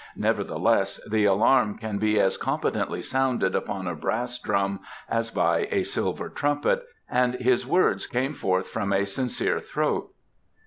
Nevertheless, the alarm can be as competently sounded upon a brass drum as by a silver trumpet, and his words came forth from a sincere throat."